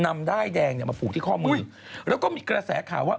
นำได้แดงมาผูกที่ข้อมือแล้วก็มีกระแสข่าวว่า